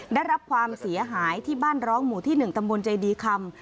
ได้รับความเสียหายที่บ้านร้องหมู่ที่๑ตำบลใจดีคำ